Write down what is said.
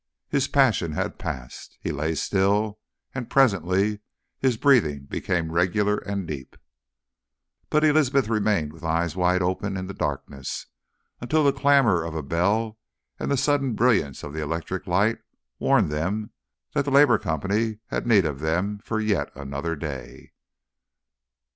His passion had passed. He lay still, and presently his breathing became regular and deep. But Elizabeth remained with eyes wide open in the darkness, until the clamour of a bell and the sudden brilliance of the electric light warned them that the Labour Company had need of them for yet another day.